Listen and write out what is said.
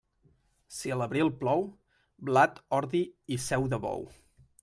Si a l'abril plou, blat, ordi i seu de bou.